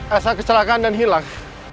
elsa kecelakaan dan hilang